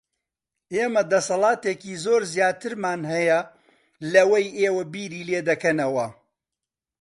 ئێمە دەسەڵاتێکی زۆر زیاترمان هەیە لەوەی ئێوە بیری لێ دەکەنەوە.